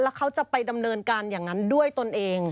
แล้วเขาจะไปดำเนินการอย่างนั้นด้วยตนเอง